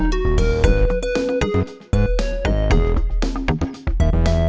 orang yang ingin bekerja sekolah